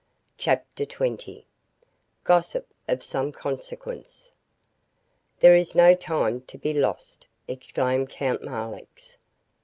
CHAPTER XX GOSSIP OF SOME CONSEQUENCE "There is no time to be lost," exclaimed Count Marlanx.